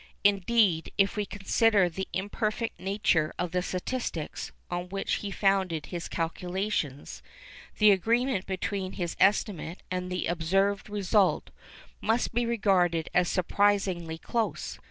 Indeed, if we consider the imperfect nature of the statistics on which he founded his calculations, the agreement between his estimate and the observed result must be regarded as surprisingly close.